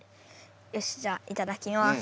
よしじゃあいただきます。